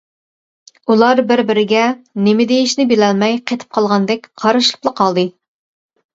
ئۇلار بىر-بىرىگە نېمە دېيىشىنى بىلەلمەي قېتىپ قالغاندەك قارىشىپلا قالدى.